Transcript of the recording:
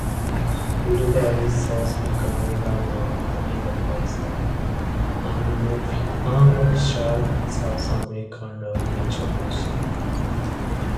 Uruguay thus became runners up in the first unofficial South American Rugby Championship.